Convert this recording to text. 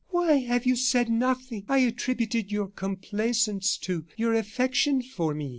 Why have you said nothing? I attributed your complaisance to your affection for me.